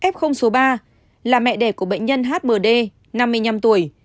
f số ba là mẹ đẻ của bệnh nhân hmd năm mươi năm tuổi